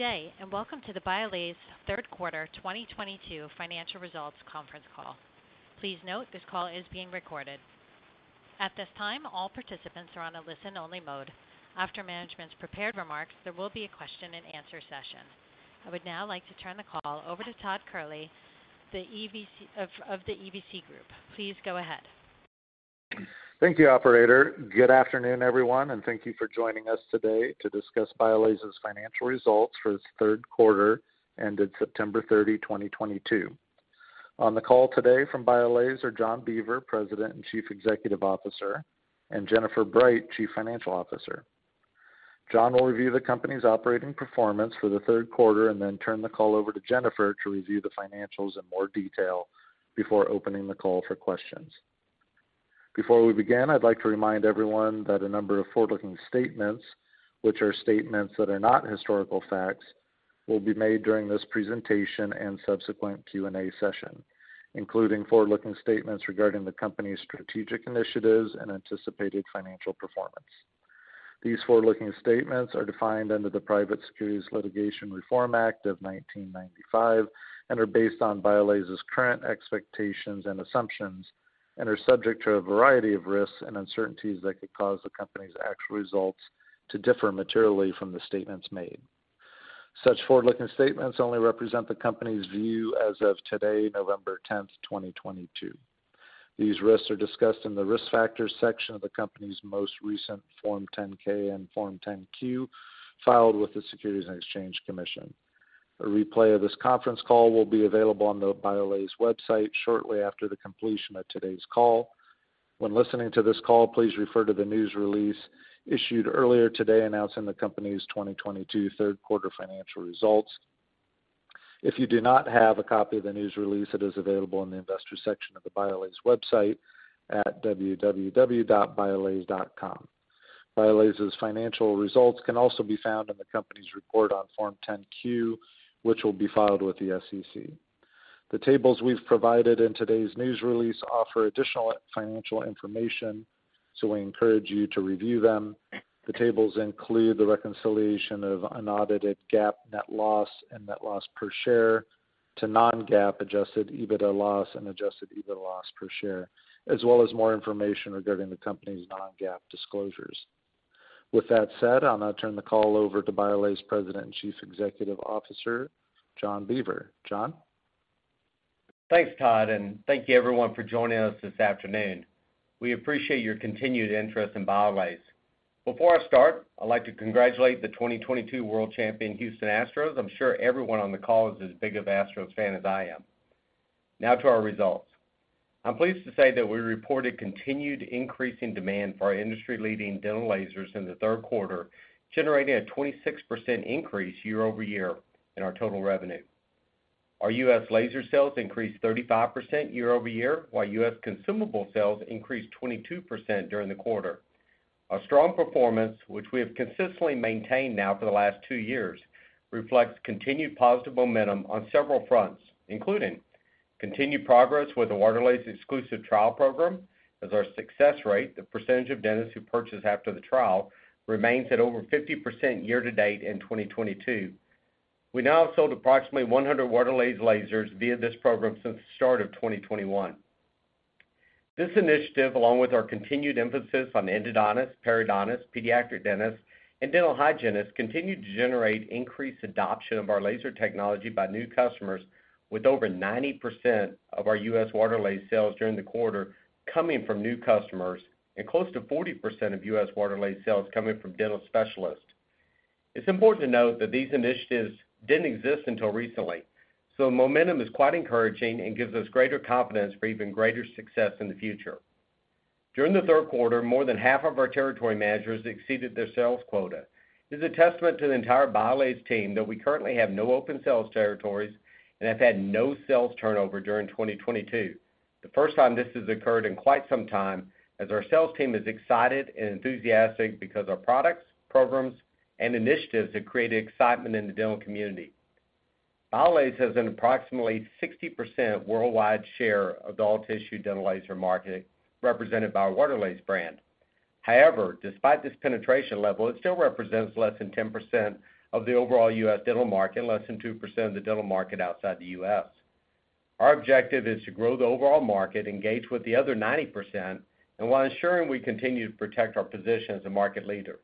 Good day, and welcome to the BIOLASE third quarter 2022 financial results conference call. Please note, this call is being recorded. At this time, all participants are on a listen only mode. After management's prepared remarks, there will be a question and answer session. I would now like to turn the call over to Todd Kehrli, the EVC Group. Please go ahead. Thank you, operator. Good afternoon, everyone, and thank you for joining us today to discuss BIOLASE's financial results for its third quarter ended September 30, 2022. On the call today from BIOLASE are John Beaver, President and Chief Executive Officer, and Jennifer Bright, Chief Financial Officer. John will review the company's operating performance for the third quarter and then turn the call over to Jennifer to review the financials in more detail before opening the call for questions. Before we begin, I'd like to remind everyone that a number of forward-looking statements, which are statements that are not historical facts, will be made during this presentation and subsequent Q&A session, including forward-looking statements regarding the company's strategic initiatives and anticipated financial performance. These forward-looking statements are defined under the Private Securities Litigation Reform Act of 1995 and are based on BIOLASE's current expectations and assumptions and are subject to a variety of risks and uncertainties that could cause the company's actual results to differ materially from the statements made. Such forward-looking statements only represent the company's view as of today, November 10th, 2022. These risks are discussed in the Risk Factors section of the company's most recent Form 10-K and Form 10-Q filed with the Securities and Exchange Commission. A replay of this conference call will be available on the BIOLASE website shortly after the completion of today's call. When listening to this call, please refer to the news release issued earlier today announcing the company's 2022 third quarter financial results. If you do not have a copy of the news release, it is available in the Investors section of the BIOLASE website at www.biolase.com. BIOLASE's financial results can also be found in the company's report on Form 10-Q, which will be filed with the SEC. The tables we've provided in today's news release offer additional financial information, so we encourage you to review them. The tables include the reconciliation of unaudited GAAP net loss and net loss per share to non-GAAP adjusted EBITDA loss and adjusted EBITDA loss per share, as well as more information regarding the company's non-GAAP disclosures. With that said, I'll now turn the call over to BIOLASE President and Chief Executive Officer, John Beaver. John? Thanks, Todd, and thank you everyone for joining us this afternoon. We appreciate your continued interest in BIOLASE. Before I start, I'd like to congratulate the 2022 world champion Houston Astros. I'm sure everyone on the call is as big of Astros fan as I am. Now to our results. I'm pleased to say that we reported continued increase in demand for our industry-leading dental lasers in the third quarter, generating a 26% increase year-over-year in our total revenue. Our U.S. laser sales increased 35% year-over-year, while U.S. consumable sales increased 22% during the quarter. Our strong performance, which we have consistently maintained now for the last two years, reflects continued positive momentum on several fronts, including continued progress with the Waterlase Exclusive Trial Program as our success rate, the percentage of dentists who purchase after the trial, remains at over 50% year to date in 2022. We now have sold approximately 100 Waterlase lasers via this program since the start of 2021. This initiative, along with our continued emphasis on endodontists, periodontists, pediatric dentists, and dental hygienists, continue to generate increased adoption of our laser technology by new customers with over 90% of our U.S. Waterlase sales during the quarter coming from new customers and close to 40% of U.S. Waterlase sales coming from dental specialists. It's important to note that these initiatives didn't exist until recently, so momentum is quite encouraging and gives us greater confidence for even greater success in the future. During the third quarter, more than half of our territory managers exceeded their sales quota. This is a testament to the entire BIOLASE team that we currently have no open sales territories and have had no sales turnover during 2022. The first time this has occurred in quite some time, as our sales team is excited and enthusiastic because our products, programs, and initiatives have created excitement in the dental community. BIOLASE has an approximately 60% worldwide share of the all-tissue dental laser market represented by our Waterlase brand. However, despite this penetration level, it still represents less than 10% of the overall U.S. dental market, less than 2% of the dental market outside the U.S.. Our objective is to grow the overall market, engage with the other 90%, and while ensuring we continue to protect our position as a market leader.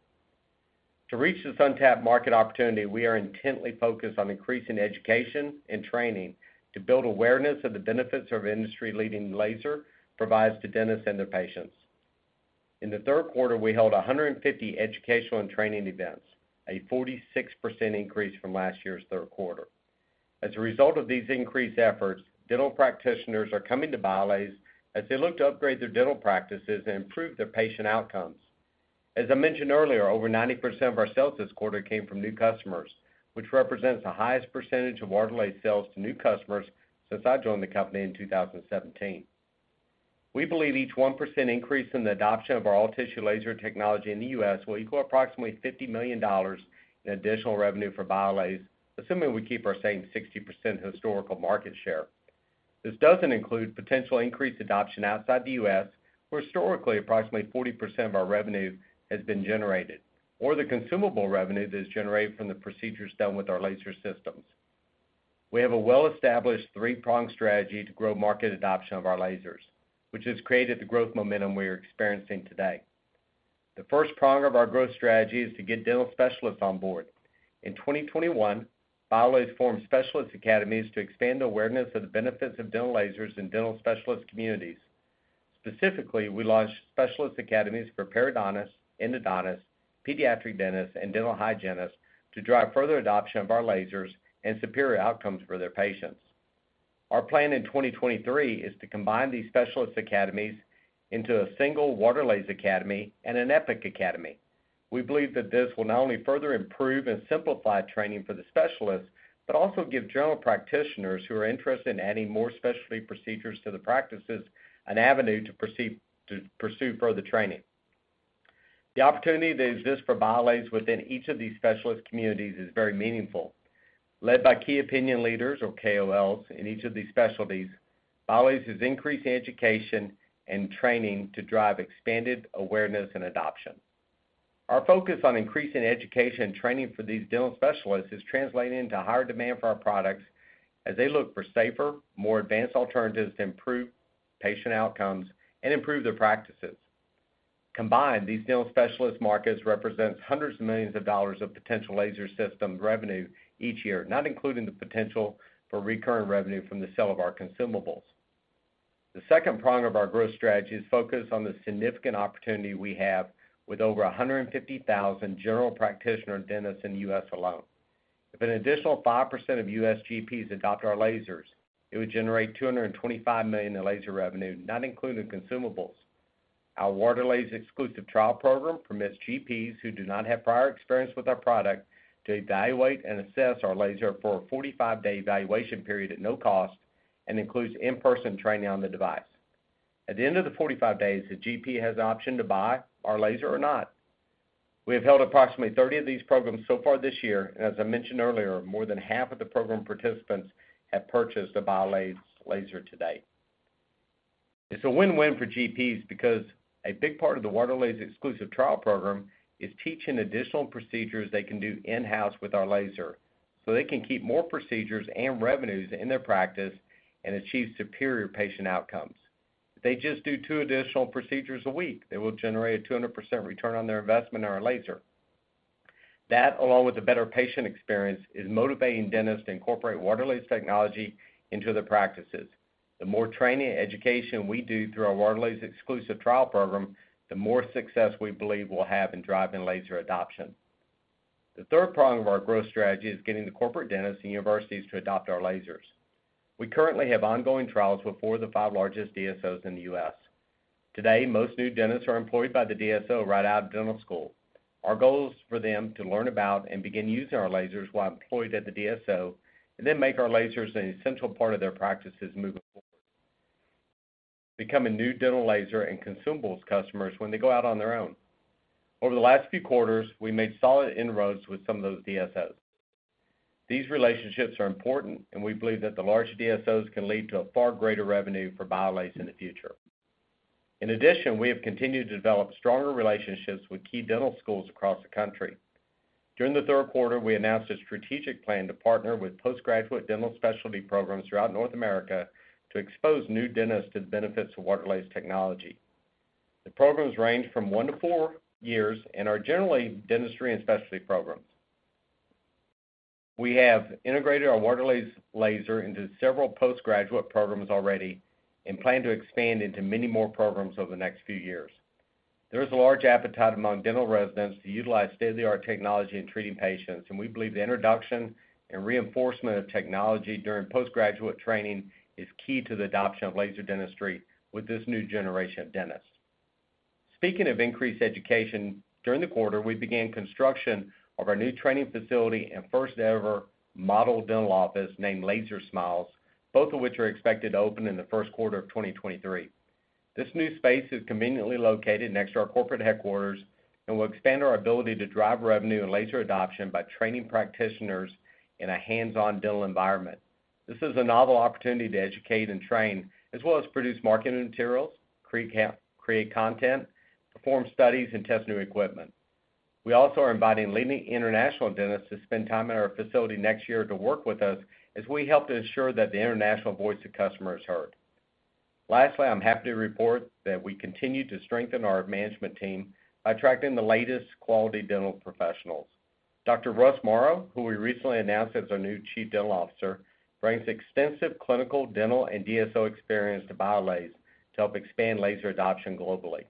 To reach this untapped market opportunity, we are intently focused on increasing education and training to build awareness of the benefits our industry-leading laser provides to dentists and their patients. In the third quarter, we held 150 educational and training events, a 46% increase from last year's third quarter. As a result of these increased efforts, dental practitioners are coming to BIOLASE as they look to upgrade their dental practices and improve their patient outcomes. As I mentioned earlier, over 90% of our sales this quarter came from new customers, which represents the highest percentage of Waterlase sales to new customers since I joined the company in 2017. We believe each 1% increase in the adoption of our all-tissue laser technology in the U.S. will equal approximately $50 million in additional revenue for BIOLASE, assuming we keep our same 60% historical market share. This doesn't include potential increased adoption outside the U.S., where historically approximately 40% of our revenue has been generated, or the consumable revenue that is generated from the procedures done with our laser systems. We have a well-established three-pronged strategy to grow market adoption of our lasers, which has created the growth momentum we are experiencing today. The first prong of our growth strategy is to get dental specialists on board. In 2021, BIOLASE formed specialist academies to expand the awareness of the benefits of dental lasers in dental specialist communities. Specifically, we launched specialist academies for periodontists, endodontists, pediatric dentists, and dental hygienists to drive further adoption of our lasers and superior outcomes for their patients. Our plan in 2023 is to combine these specialist academies into a single Waterlase Academy and an Epic Academy. We believe that this will not only further improve and simplify training for the specialists, but also give general practitioners who are interested in adding more specialty procedures to the practices an avenue to pursue further training. The opportunity that exists for BIOLASE within each of these specialist communities is very meaningful. Led by key opinion leaders, or KOLs, in each of these specialties, BIOLASE has increased education and training to drive expanded awareness and adoption. Our focus on increasing education and training for these dental specialists is translating into higher demand for our products as they look for safer, more advanced alternatives to improve patient outcomes and improve their practices. Combined, these dental specialist markets represents $hundreds of millions of potential laser system revenue each year, not including the potential for recurring revenue from the sale of our consumables. The second prong of our growth strategy is focused on the significant opportunity we have with over 150,000 general practitioner dentists in the U.S. alone. If an additional 5% of U.S. GPs adopt our lasers, it would generate $225 million in laser revenue, not including consumables. Our Waterlase Exclusive Trial Program permits GPs who do not have prior experience with our product to evaluate and assess our laser for a 45-day evaluation period at no cost, and includes in-person training on the device. At the end of the 45 days, the GP has the option to buy our laser or not. We have held approximately 30 of these programs so far this year, and as I mentioned earlier, more than half of the program participants have purchased a BIOLASE laser to date. It's a win-win for GPs because a big part of the Waterlase Exclusive Trial Program is teaching additional procedures they can do in-house with our laser, so they can keep more procedures and revenues in their practice and achieve superior patient outcomes. If they just do two additional procedures a week, they will generate a 200% return on their investment in our laser. That, along with a better patient experience, is motivating dentists to incorporate Waterlase technology into their practices. The more training and education we do through our Waterlase Exclusive Trial Program, the more success we believe we'll have in driving laser adoption. The third prong of our growth strategy is getting the corporate dentists and universities to adopt our lasers. We currently have ongoing trials with four of the five largest DSOs in the U.S.. Today, most new dentists are employed by the DSO right out of dental school. Our goal is for them to learn about and begin using our lasers while employed at the DSO, and then make our lasers an essential part of their practices moving forward, becoming new dental laser and consumables customers when they go out on their own. Over the last few quarters, we made solid inroads with some of those DSOs. These relationships are important, and we believe that the large DSOs can lead to a far greater revenue for BIOLASE in the future. In addition, we have continued to develop stronger relationships with key dental schools across the country. During the third quarter, we announced a strategic plan to partner with postgraduate dental specialty programs throughout North America to expose new dentists to the benefits of Waterlase technology. The programs range from one to four years and are generally dentistry and specialty programs. We have integrated our Waterlase laser into several postgraduate programs already and plan to expand into many more programs over the next few years. There is a large appetite among dental residents to utilize state-of-the-art technology in treating patients, and we believe the introduction and reinforcement of technology during postgraduate training is key to the adoption of laser dentistry with this new generation of dentists. Speaking of increased education, during the quarter, we began construction of our new training facility and first ever model dental office named Laser Smiles, both of which are expected to open in the first quarter of 2023. This new space is conveniently located next to our corporate headquarters and will expand our ability to drive revenue and laser adoption by training practitioners in a hands-on dental environment. This is a novel opportunity to educate and train as well as produce marketing materials, create content, perform studies, and test new equipment. We also are inviting leading international dentists to spend time at our facility next year to work with us as we help to ensure that the international voice of customer is heard. Lastly, I'm happy to report that we continue to strengthen our management team by attracting the latest quality dental professionals. Dr. Russell Morrow, who we recently announced as our new Chief Dental Officer, brings extensive clinical, dental, and DSO experience to BIOLASE to help expand laser adoption globally.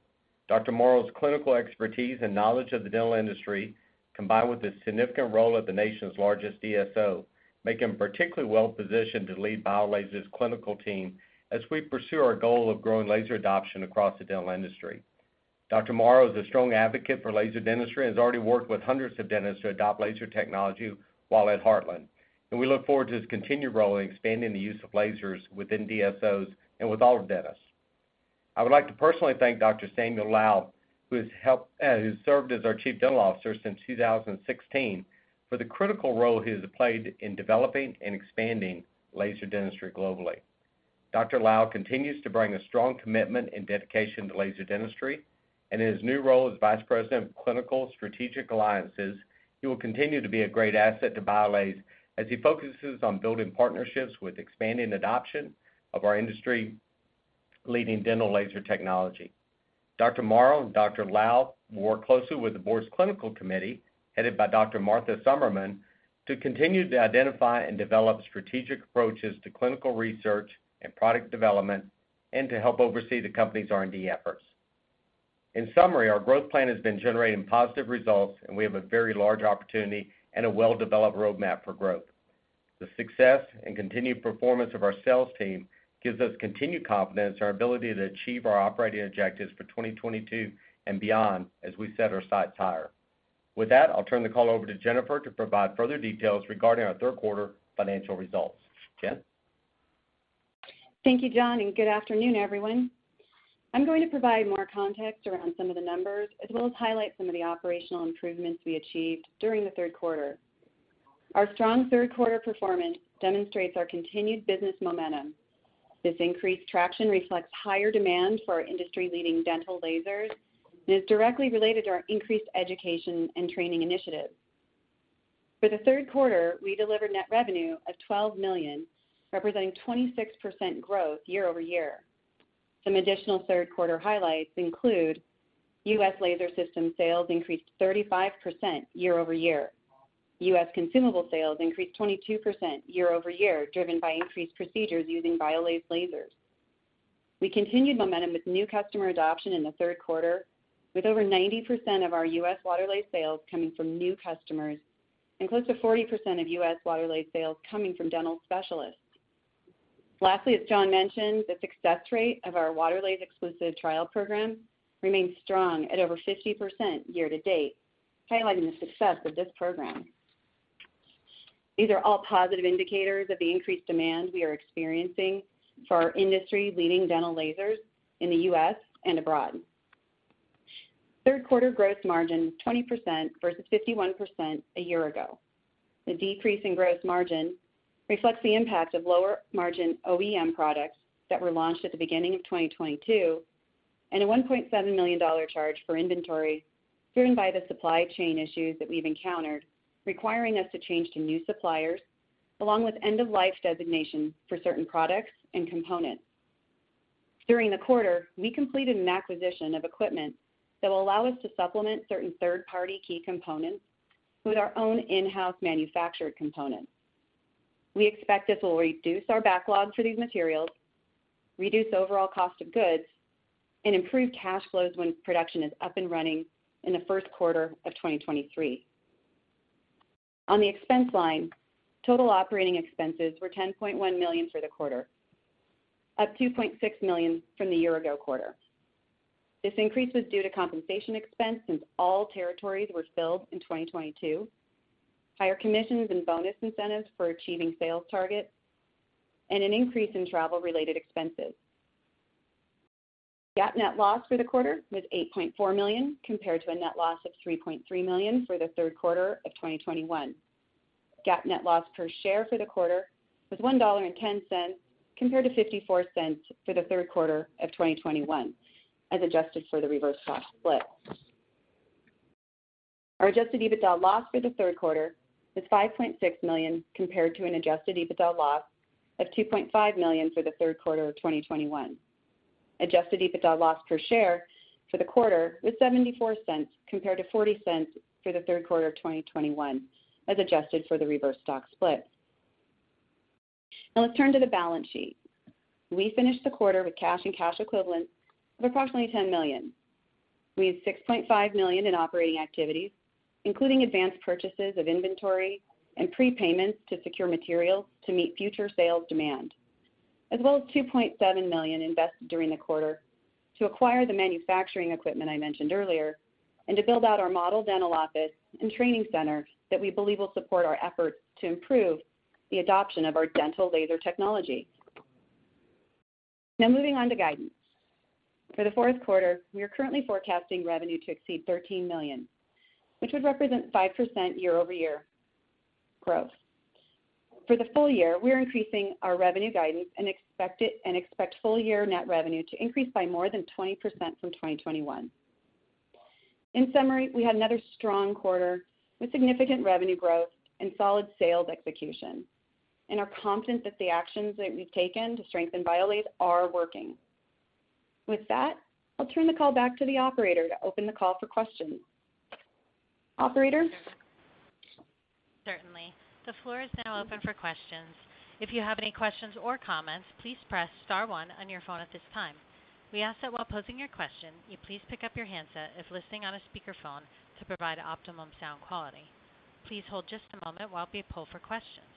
Dr. Morrow's clinical expertise and knowledge of the dental industry, combined with his significant role at the nation's largest DSO, make him particularly well positioned to lead BIOLASE's clinical team as we pursue our goal of growing laser adoption across the dental industry. Dr. Morrow is a strong advocate for laser dentistry and has already worked with hundreds of dentists to adopt laser technology while at Heartland Dental, and we look forward to his continued role in expanding the use of lasers within DSOs and with all dentists. I would like to personally thank Dr. Samuel Low, who served as our Chief Dental Officer since 2016, for the critical role he has played in developing and expanding laser dentistry globally. Dr. Low continues to bring a strong commitment and dedication to laser dentistry, and in his new role as Vice President of Clinical Strategic Alliances, he will continue to be a great asset to BIOLASE as he focuses on building partnerships with expanding adoption of our industry-leading dental laser technology. Dr. Morrow and Dr. Low work closely with the board's clinical committee, headed by Dr. Martha Somerman, to continue to identify and develop strategic approaches to clinical research and product development and to help oversee the company's R&D efforts. In summary, our growth plan has been generating positive results, and we have a very large opportunity and a well-developed roadmap for growth. The success and continued performance of our sales team gives us continued confidence in our ability to achieve our operating objectives for 2022 and beyond as we set our sights higher. With that, I'll turn the call over to Jennifer to provide further details regarding our third quarter financial results. Jen? Thank you, John, and good afternoon, everyone. I'm going to provide more context around some of the numbers, as well as highlight some of the operational improvements we achieved during the third quarter. Our strong third quarter performance demonstrates our continued business momentum. This increased traction reflects higher demand for our industry-leading dental lasers and is directly related to our increased education and training initiatives. For the third quarter, we delivered net revenue of $12 million, representing 26% growth year-over-year. Some additional third quarter highlights include U.S.. Laser system sales increased 35% year-over-year. U.S. consumable sales increased 22% year-over-year, driven by increased procedures using BIOLASE lasers. We continued momentum with new customer adoption in the third quarter, with over 90% of our U.S. Waterlase sales coming from new customers and close to 40% of U.S. Waterlase sales coming from dental specialists. Lastly, as John mentioned, the success rate of our Waterlase Exclusive Trial Program remains strong at over 50% year to date, highlighting the success of this program. These are all positive indicators of the increased demand we are experiencing for our industry-leading dental lasers in the U.S. and abroad. Third quarter gross margin, 20% versus 51% a year ago. The decrease in gross margin reflects the impact of lower margin OEM products that were launched at the beginning of 2022 and a $1.7 million charge for inventory driven by the supply chain issues that we've encountered, requiring us to change to new suppliers, along with end of life designation for certain products and components. During the quarter, we completed an acquisition of equipment that will allow us to supplement certain third-party key components with our own in-house manufactured components. We expect this will reduce our backlog for these materials, reduce overall cost of goods, and improve cash flows when production is up and running in the first quarter of 2023. On the expense line, total operating expenses were $10.1 million for the quarter, up $2.6 million from the year ago quarter. This increase was due to compensation expense since all territories were filled in 2022, higher commissions and bonus incentives for achieving sales targets, and an increase in travel related expenses. GAAP net loss for the quarter was $8.4 million, compared to a net loss of $3.3 million for the third quarter of 2021. GAAP net loss per share for the quarter was $1.10, compared to $0.54 for the third quarter of 2021, as adjusted for the reverse stock split. Our adjusted EBITDA loss for the third quarter was $5.6 million, compared to an adjusted EBITDA loss of $2.5 million for the third quarter of 2021. Adjusted EBITDA loss per share for the quarter was $0.74, compared to $0.40 for the third quarter of 2021 as adjusted for the reverse stock split. Now let's turn to the balance sheet. We finished the quarter with cash and cash equivalents of approximately $10 million. We had $6.5 million in operating activities, including advanced purchases of inventory and prepayments to secure materials to meet future sales demand, as well as $2.7 million invested during the quarter to acquire the manufacturing equipment I mentioned earlier and to build out our model dental office and training center that we believe will support our efforts to improve the adoption of our dental laser technology. Now, moving on to guidance. For the fourth quarter, we are currently forecasting revenue to exceed $13 million, which would represent 5% year-over-year growth. For the full year, we are increasing our revenue guidance and expect full year net revenue to increase by more than 20% from 2021. In summary, we had another strong quarter with significant revenue growth and solid sales execution and are confident that the actions that we've taken to strengthen BIOLASE are working. With that, I'll turn the call back to the operator to open the call for questions. Operator? Certainly. The floor is now open for questions. If you have any questions or comments, please press star one on your phone at this time. We ask that while posing your question, you please pick up your handset if listening on a speakerphone to provide optimum sound quality. Please hold just a moment while we pull for questions.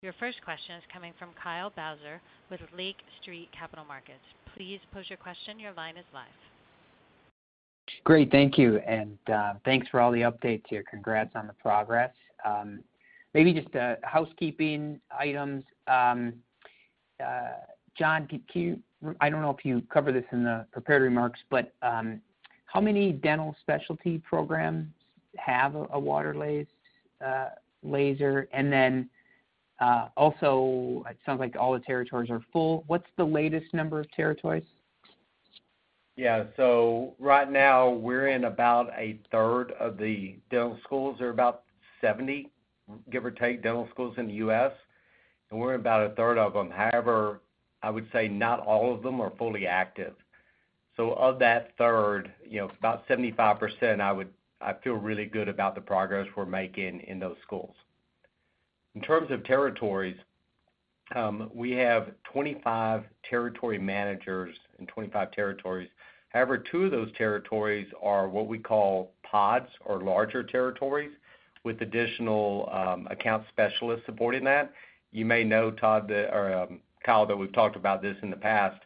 Your first question is coming from Kyle Bauser with Lake Street Capital Markets. Please pose your question. Your line is live. Great. Thank you, and thanks for all the updates here. Congrats on the progress. Maybe just housekeeping items. John, I don't know if you covered this in the prepared remarks, but how many dental specialty programs have a Waterlase laser? Also, it sounds like all the territories are full. What's the latest number of territories? Yeah. Right now we're in about a third of the dental schools. There are about 70, give or take, dental schools in the U.S., and we're in about a third of them. However, I would say not all of them are fully active. Of that third, you know, about 75% I feel really good about the progress we're making in those schools. In terms of territories, we have 25 territory managers in 25 territories. However, two of those territories are what we call pods or larger territories with additional account specialists supporting that. You may know, Todd or Kyle, that we've talked about this in the past,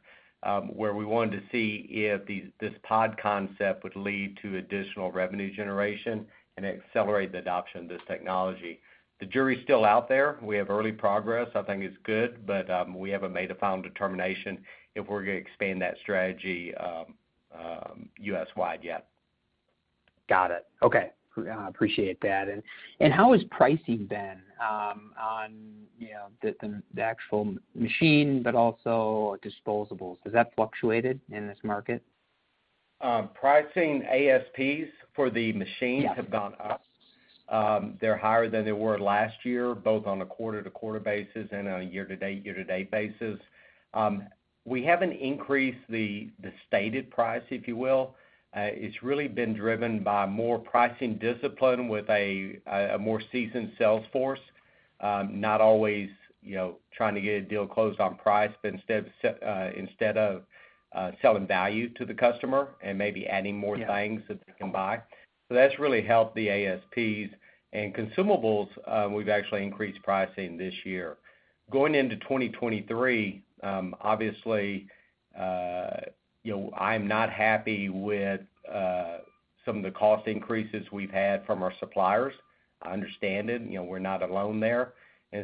where we wanted to see if this pod concept would lead to additional revenue generation and accelerate the adoption of this technology. The jury is still out there. We have early progress. I think it's good, but we haven't made a final determination if we're going to expand that strategy, U.S. wide yet. Got it. Okay. Appreciate that. How has pricing been on, you know, the actual machine but also disposables? Has that fluctuated in this market? Pricing ASPs for the machines. Yeah They have gone up. They're higher than they were last year, both on a quarter-to-quarter basis and a year-to-date basis. We haven't increased the stated price, if you will. It's really been driven by more pricing discipline with a more seasoned sales force, not always, you know, trying to get a deal closed on price, but instead of selling value to the customer and maybe adding more things. Yeah that they can buy. That's really helped the ASPs. Consumables, we've actually increased pricing this year. Going into 2023, obviously, you know, I'm not happy with some of the cost increases we've had from our suppliers. I understand it, you know, we're not alone there.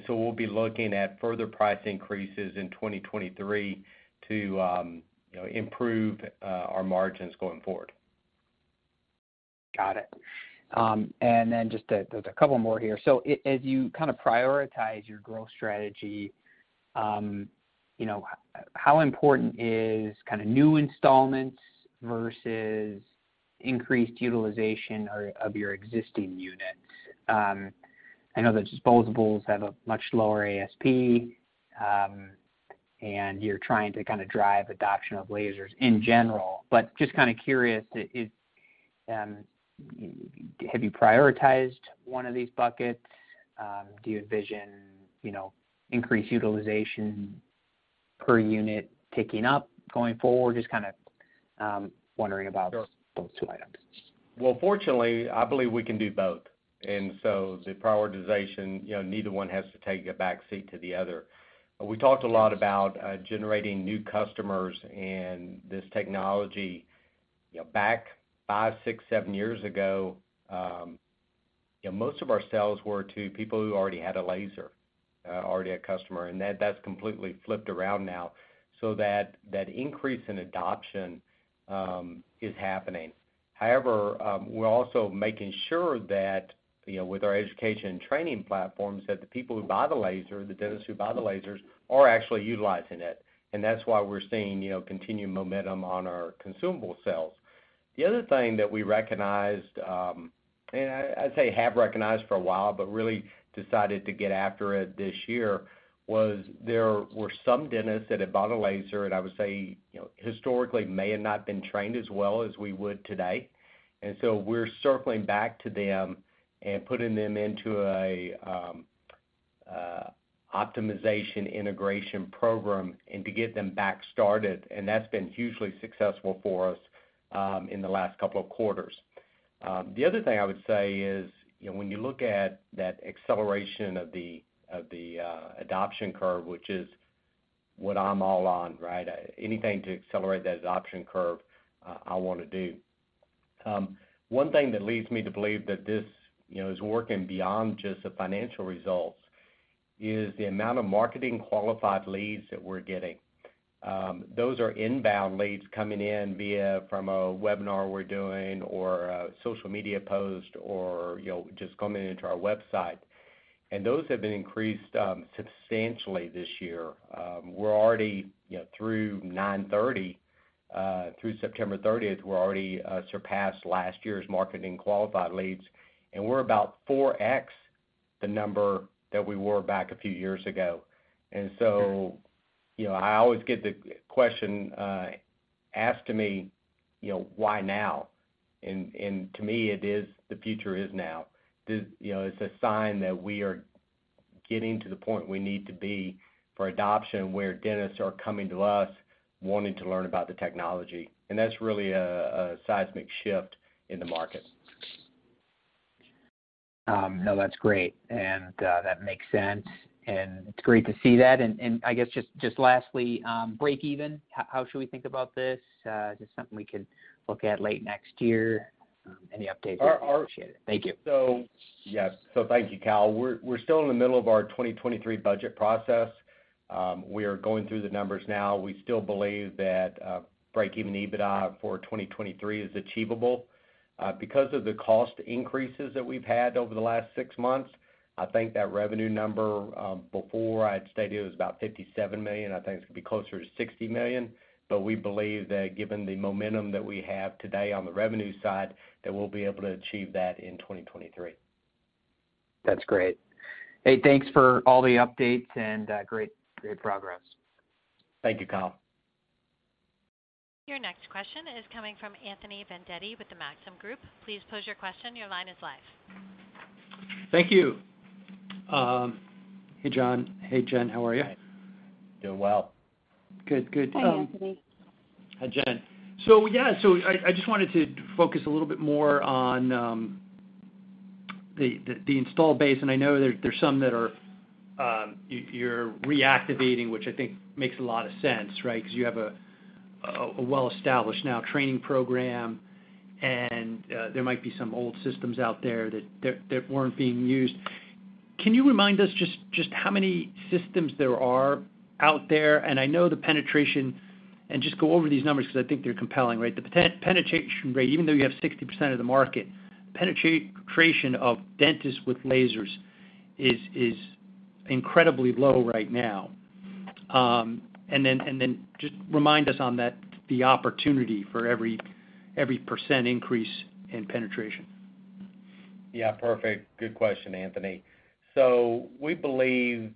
We'll be looking at further price increases in 2023 to you know improve our margins going forward. Got it. Just a couple more here. As you kind of prioritize your growth strategy, you know, how important is kind of new installations versus increased utilization or of your existing units? I know the disposables have a much lower ASP, and you're trying to kind of drive adoption of lasers in general. Just kind of curious, is, have you prioritized one of these buckets? Do you envision, you know, increased utilization per unit ticking up going forward? Just kind of wondering about. Sure those two items. Well, fortunately, I believe we can do both. The prioritization, you know, neither one has to take a back seat to the other. We talked a lot about generating new customers and this technology. You know, back five, six, seven years ago, you know, most of our sales were to people who already had a laser, already a customer, and that's completely flipped around now. That increase in adoption is happening. However, we're also making sure that, you know, with our education and training platforms, that the people who buy the laser, the dentists who buy the lasers, are actually utilizing it. That's why we're seeing, you know, continued momentum on our consumable sales. The other thing that we recognized, and I'd say have recognized for a while but really decided to get after it this year, was there were some dentists that had bought a laser, and I would say, you know, historically may have not been trained as well as we would today. We're circling back to them and putting them into a optimization integration program and to get them back started. That's been hugely successful for us in the last couple of quarters. The other thing I would say is, you know, when you look at that acceleration of the adoption curve, which is what I'm all on, right? Anything to accelerate that adoption curve, I want to do. One thing that leads me to believe that this, you know, is working beyond just the financial results is the amount of marketing qualified leads that we're getting. Those are inbound leads coming in via from a webinar we're doing or a social media post or, you know, just coming into our website. Those have been increased substantially this year. We're already, you know, through September thirtieth, surpassed last year's marketing qualified leads, and we're about 4x the number that we were back a few years ago.... you know, I always get the question asked to me, you know, why now? To me it is, the future is now. You know, it's a sign that we are getting to the point we need to be for adoption, where dentists are coming to us wanting to learn about the technology. That's really a seismic shift in the market. No, that's great. That makes sense, and it's great to see that. I guess just lastly, breakeven, how should we think about this? Just something we can look at late next year. Any updates there, I'd appreciate it. Thank you. Yes. Thank you, Kyle. We're still in the middle of our 2023 budget process. We are going through the numbers now. We still believe that breakeven EBITDA for 2023 is achievable. Because of the cost increases that we've had over the last six months, I think that revenue number, before I'd stated it was about $57 million, I think it's gonna be closer to $60 million. We believe that given the momentum that we have today on the revenue side, that we'll be able to achieve that in 2023. That's great. Hey, thanks for all the updates and great progress. Thank you, Kyle. Your next question is coming from Anthony Vendetti with the Maxim Group. Please pose your question. Your line is live. Thank you. Hey, John. Hey, Jen, how are you? Doing well. Good. Good. Hi, Anthony. Hi, Jen. I just wanted to focus a little bit more on the installed base, and I know there's some that you're reactivating, which I think makes a lot of sense, right? 'Cause you have a well-established training program and there might be some old systems out there that weren't being used. Can you remind us just how many systems there are out there? I know the penetration, just go over these numbers 'cause I think they're compelling, right? The penetration rate, even though you have 60% of the market, penetration of dentists with lasers is incredibly low right now. Just remind us on that, the opportunity for every % increase in penetration. Yeah, perfect. Good question, Anthony. So we believe.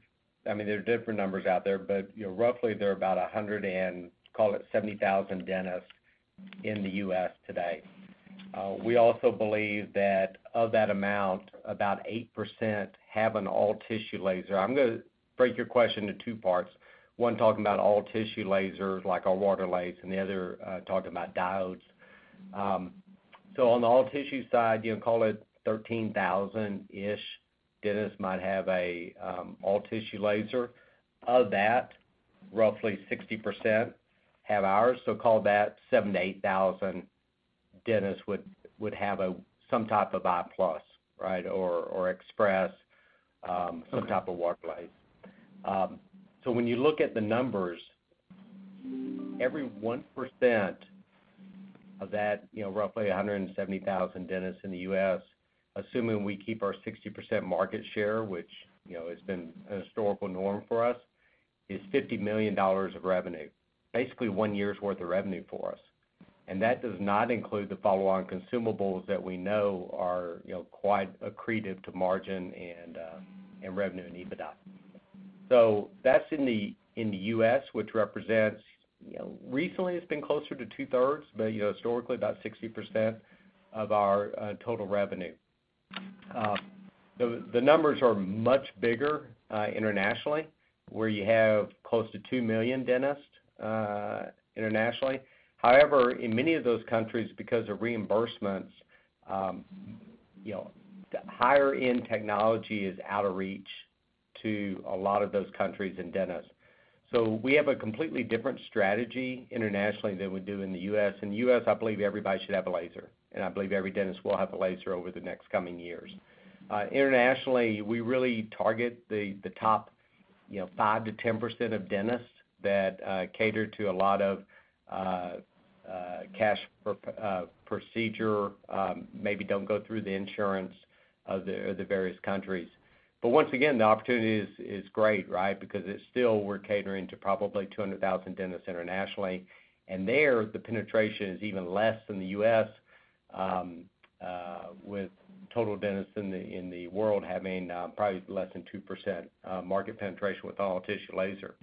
I mean, there are different numbers out there, but, you know, roughly there are about 170,000 dentists in the U.S. today. We also believe that of that amount, about 8% have an all-tissue laser. I'm gonna break your question into two parts. One, talking about all-tissue lasers like our Waterlase, and the other, talking about diodes. So on the all-tissue side, you know, call it 13,000-ish dentists might have an all-tissue laser. Of that, roughly 60% have ours, so call that 7,000 to 8,000 dentists would have some type of iPlus, right, or Express.... some type of Waterlase. When you look at the numbers, every 1% of that, you know, roughly 170,000 dentists in the U.S., assuming we keep our 60% market share, which, you know, has been a historical norm for us, is $50 million of revenue, basically one year's worth of revenue for us. That does not include the follow-on consumables that we know are, you know, quite accretive to margin and revenue and EBITDA. That's in the U.S., which represents, you know, recently it's been closer to two-thirds, but, you know, historically about 60% of our total revenue. The numbers are much bigger internationally, where you have close to 2 million dentists internationally. However, in many of those countries, because of reimbursements, you know, higher-end technology is out of reach to a lot of those countries and dentists. We have a completely different strategy internationally than we do in the U.S.. In the U.S., I believe everybody should have a laser, and I believe every dentist will have a laser over the next coming years. Internationally, we really target the top, you know, 5%-10% of dentists that cater to a lot of cash procedure, maybe don't go through the insurance of the various countries. Once again, the opportunity is great, right? Because it's still we're catering to probably 200,000 dentists internationally, and there the penetration is even less than the U.S., with total dentists in the world having probably less than 2% market penetration with all-tissue laser.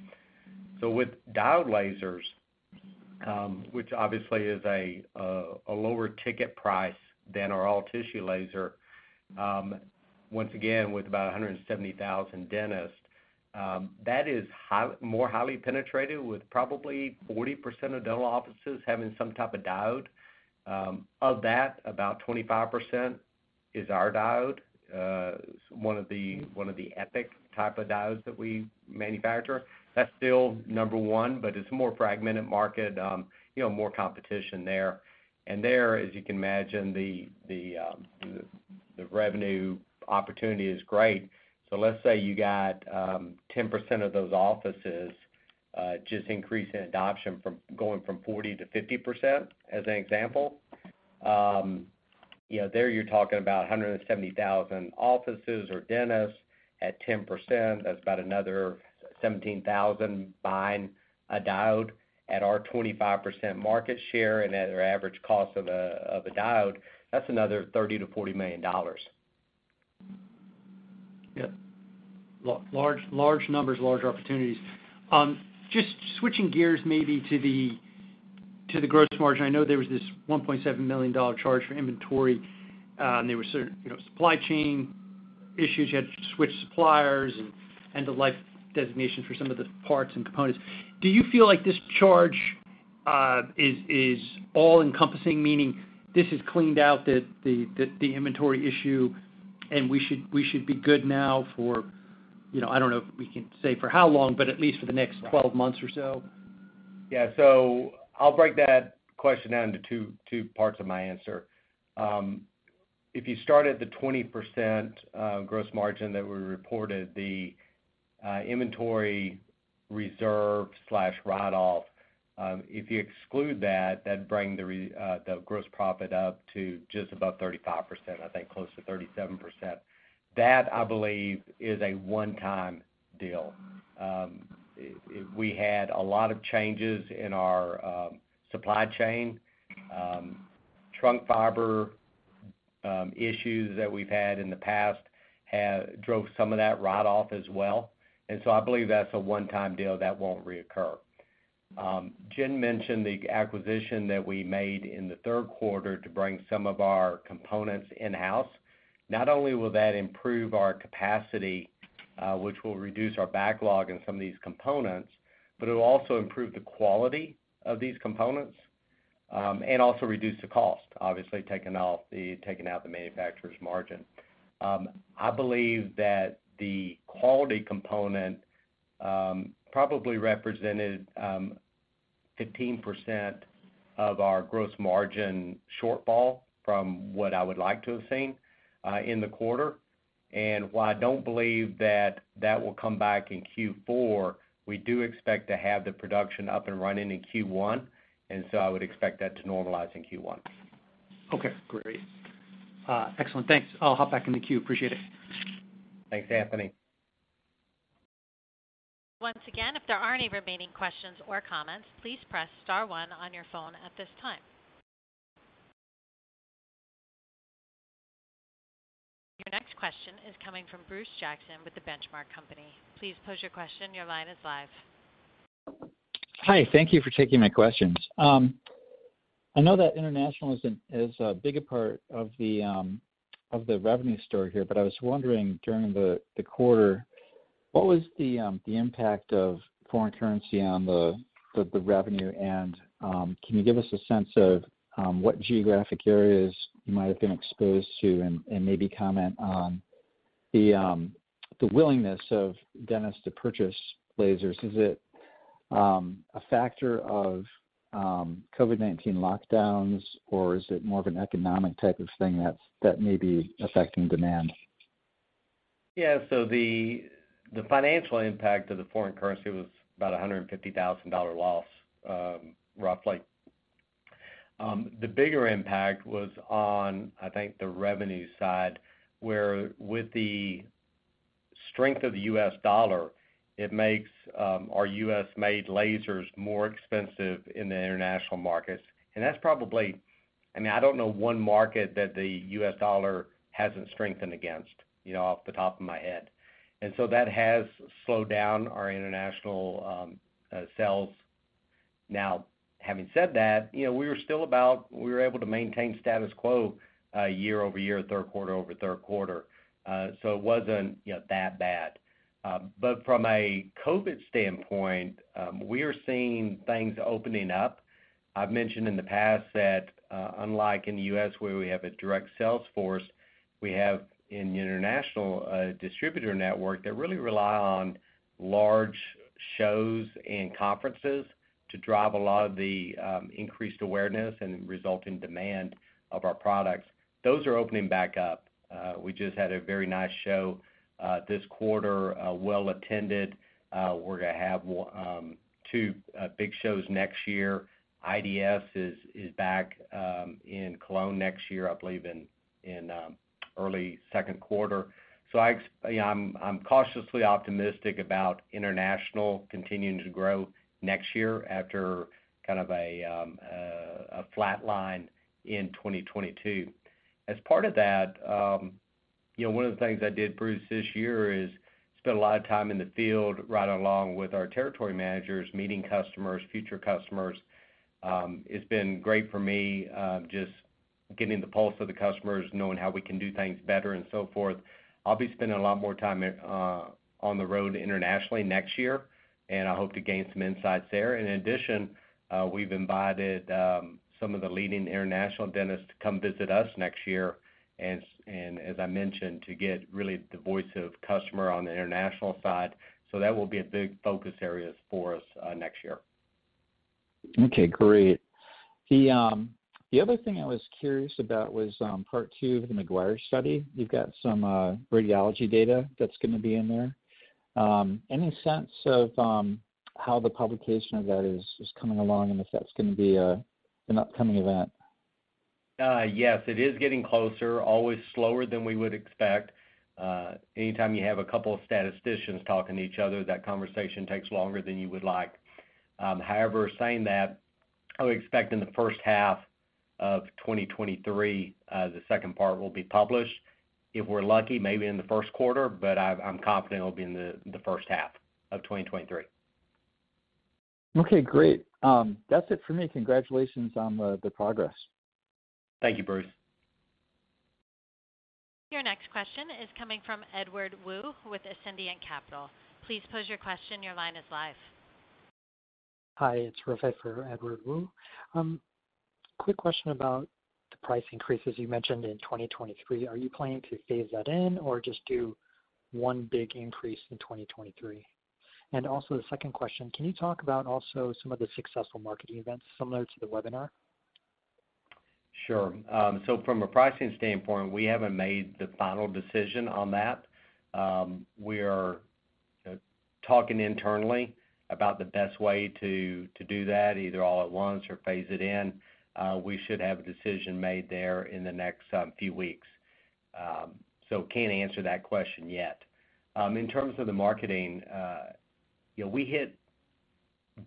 So with diode lasers, which obviously is a lower ticket price than our all-tissue laser, once again, with about 170,000 dentists, that is more highly penetrated with probably 40% of dental offices having some type of diode. Of that, about 25% is our diode, one of the Epic type of diodes that we manufacture. That's still number one, but it's a more fragmented market, you know, more competition there. There, as you can imagine, the revenue opportunity is great. Let's say you got 10% of those offices just increase in adoption from going from 40%-50%, as an example. You know, then you're talking about 170,000 offices or dentists at 10%. That's about another 17,000 buying a diode at our 25% market share and at our average cost of a diode. That's another $30 million-$40 million. Yep. Large numbers, large opportunities. Just switching gears maybe to the growth margin. I know there was this $1.7 million charge for inventory, and there were certain, you know, supply chain issues. You had to switch suppliers and end of life designations for some of the parts and components. Do you feel like this charge is all encompassing, meaning this has cleaned out the inventory issue, and we should be good now for, you know, I don't know if we can say for how long, but at least for the next 12 months or so? Yeah. I'll break that question down to two parts of my answer. If you start at the 20% gross margin that we reported, the inventory reserve/write-off, if you exclude that'd bring the gross profit up to just above 35%, I think close to 37%. That, I believe, is a one-time deal. We had a lot of changes in our supply chain. Trunk fiber issues that we've had in the past drove some of that write-off as well. I believe that's a one-time deal that won't reoccur. Jen mentioned the acquisition that we made in the third quarter to bring some of our components in-house. Not only will that improve our capacity, which will reduce our backlog in some of these components, but it will also improve the quality of these components, and also reduce the cost, obviously, taking out the manufacturer's margin. I believe that the quality component probably represented 15% of our gross margin shortfall from what I would like to have seen in the quarter. While I don't believe that will come back in Q4, we do expect to have the production up and running in Q1, and so I would expect that to normalize in Q1. Okay, great. Excellent. Thanks. I'll hop back in the queue. Appreciate it. Thanks, Anthony. Once again, if there are any remaining questions or comments, please press star one on your phone at this time. Your next question is coming from Bruce Jackson with The Benchmark Company. Please pose your question. Your line is live. Hi. Thank you for taking my questions. I know that international isn't as big a part of the revenue story here, but I was wondering during the quarter, what was the impact of foreign currency on the revenue? Can you give us a sense of what geographic areas you might have been exposed to and maybe comment on the willingness of dentists to purchase lasers? Is it a factor of COVID-19 lockdowns, or is it more of an economic type of thing that may be affecting demand? Yeah. The financial impact of the foreign currency was about $150,000 loss, roughly. The bigger impact was on, I think, the revenue side, where with the strength of the US dollar, it makes our U.S.-made lasers more expensive in the international markets. That's probably, I mean, I don't know one market that the U.S. dollar hasn't strengthened against, you know, off the top of my head. That has slowed down our international sales. Having said that, you know, we were able to maintain status quo year-over-year, third quarter-over-third quarter. It wasn't that bad. From a COVID standpoint, we're seeing things opening up. I've mentioned in the past that, unlike in the U.S. where we have a direct sales force, we have in international a distributor network that really rely on large shows and conferences to drive a lot of the increased awareness and result in demand of our products. Those are opening back up. We just had a very nice show this quarter, well attended. We're gonna have two big shows next year. IDS is back in Cologne next year, I believe in early second quarter. I'm cautiously optimistic about international continuing to grow next year after kind of a flatline in 2022. As part of that, you know, one of the things I did, Bruce, this year is spent a lot of time in the field right along with our territory managers, meeting customers, future customers. It's been great for me, just getting the pulse of the customers, knowing how we can do things better and so forth. I'll be spending a lot more time on the road internationally next year, and I hope to gain some insights there. In addition, we've invited some of the leading international dentists to come visit us next year, and as I mentioned, to get really the voice of customer on the international side. That will be a big focus areas for us next year. Okay, great. The other thing I was curious about was part two of the McGuire study. You've got some radiology data that's gonna be in there. Any sense of how the publication of that is coming along and if that's gonna be an upcoming event? Yes, it is getting closer, always slower than we would expect. Anytime you have a couple of statisticians talking to each other, that conversation takes longer than you would like. However, saying that, I would expect in the first half of 2023, the second part will be published. If we're lucky, maybe in the first quarter, but I'm confident it'll be in the first half of 2023. Okay, great. That's it for me. Congratulations on the progress. Thank you, Bruce. Your next question is coming from Edward Wu with Ascendiant Capital. Please pose your question. Your line is live. Hi, it's Wilfred for Edward Wu. Quick question about the price increases you mentioned in 2023. Are you planning to phase that in or just do one big increase in 2023? Also the second question, can you talk about also some of the successful marketing events similar to the webinar? Sure. From a pricing standpoint, we haven't made the final decision on that. We are talking internally about the best way to do that, either all at once or phase it in. We should have a decision made there in the next few weeks. Can't answer that question yet. In terms of the marketing, you know, we hit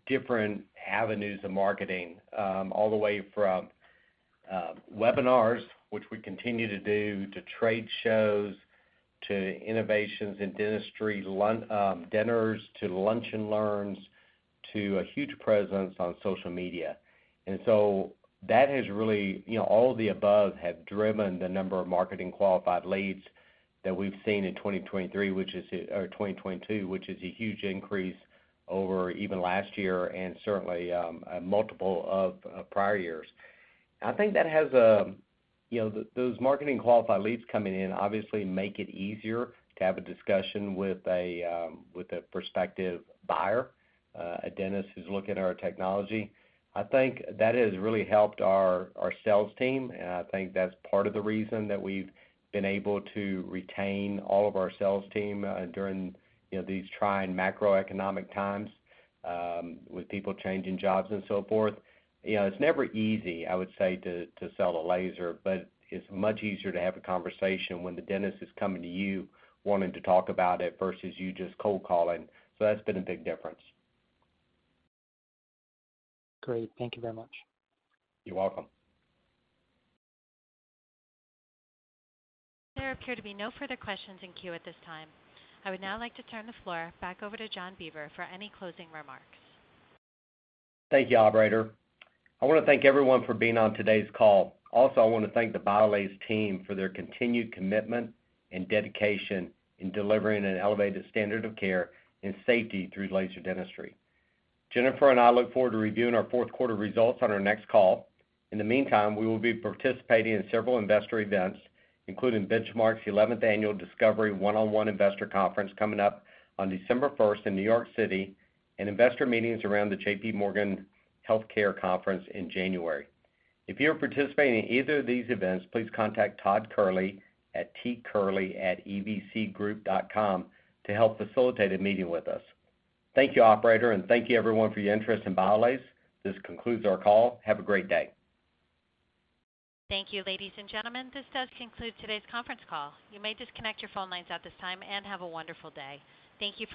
different avenues of marketing, all the way from webinars, which we continue to do, to trade shows, to innovations in dentistry, dinners, to lunch and learns, to a huge presence on social media. That has really, you know, all of the above have driven the number of marketing qualified leads that we've seen in 2023, which is or 2022, which is a huge increase over even last year and certainly a multiple of prior years. I think that has a, you know, those marketing qualified leads coming in obviously make it easier to have a discussion with a prospective buyer, a dentist who's looking at our technology. I think that has really helped our sales team, and I think that's part of the reason that we've been able to retain all of our sales team during, you know, these trying macroeconomic times with people changing jobs and so forth. You know, it's never easy, I would say to sell a laser, but it's much easier to have a conversation when the dentist is coming to you wanting to talk about it versus you just cold calling. That's been a big difference. Great. Thank you very much. You're welcome. There appear to be no further questions in queue at this time. I would now like to turn the floor back over to John Beaver for any closing remarks. Thank you, operator. I wanna thank everyone for being on today's call. I wanna thank the BIOLASE team for their continued commitment and dedication in delivering an elevated standard of care and safety through laser dentistry. Jennifer and I look forward to reviewing our fourth quarter results on our next call. In the meantime, we will be participating in several investor events, including The Benchmark Company's 11th annual Discovery One-on-One Investor Conference coming up on December 1st in New York City, and investor meetings around the JPMorgan Healthcare Conference in January. If you're participating in either of these events, please contact Todd Kehrli at tkehrli@evcgroup.com to help facilitate a meeting with us. Thank you, operator, and thank you everyone for your interest in BIOLASE. This concludes our call. Have a great day. Thank you, ladies and gentlemen. This does conclude today's conference call. You may disconnect your phone lines at this time and have a wonderful day. Thank you for your participation.